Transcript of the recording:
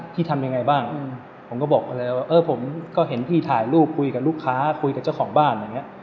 พี่ทำยังไงบ้างผมก็บอกผมก็เห็นพี่ถ่ายรูปคุยกับลูกค้าคุยกับเจ้าของบ้าน